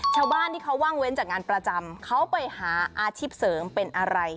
ชาวบ้านที่เขาว่างเว้นจากงานประจำเขาไปหาอาชีพเสริมเป็นอะไร